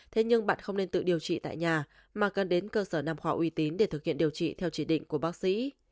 thế nhưng bạn không nên tự điều trị tại nhà mà cần đến cơ sở nằm họ uy tín để thực hiện điều trị theo chỉ định của bác sĩ